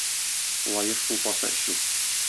Лаеш шулпасы эчү.